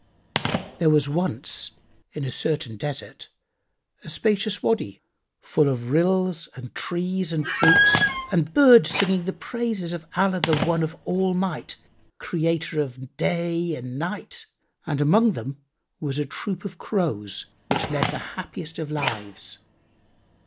There was once, in a certain desert, a spacious Wady, full of rills and trees and fruits and birds singing the praises of Allah the One of All might, Creator of day and night; and among them was a troop of Crows, which led the happiest of lives.